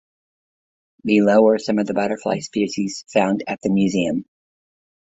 Below are some of the butterfly species found at the museum.